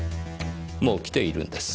もう来ているんです。